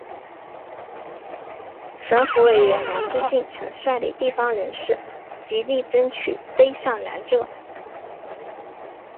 省府委员南志信曾率领地方人士极力争取卑南上圳。